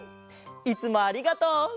いつもありがとう。